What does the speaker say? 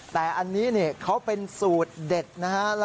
แต่อันนี้เขาเป็นสูตรเด็ดนะฮะ